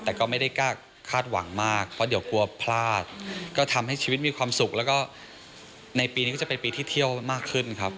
แต่ก็ไม่ได้กล้าคาดหวังมากเพราะเดี๋ยวกลัวพลาดก็ทำให้ชีวิตมีความสุขแล้วก็ในปีนี้ก็จะเป็นปีที่เที่ยวมากขึ้นครับ